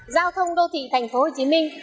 giao thông đô thị thành phố hồ chí minh